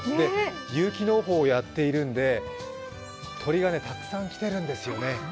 有機農法をやっているんで、鳥がたくさん来ているんですよね。